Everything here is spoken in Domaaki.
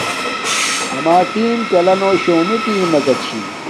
اَمݳ ٹݵم کَلݳ شݸنݵ ٹݵمَکݳ چھݵکݳ.